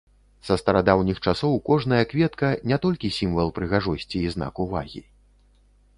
Са старадаўніх часоў кожная кветка не толькі сімвал прыгажосці і знак увагі.